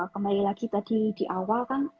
kembali lagi tadi di awal kan